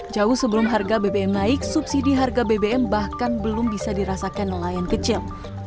jauh sebelum harga bbm naik subsidi harga bbm bahkan belum bisa dirasakan nelayan kecil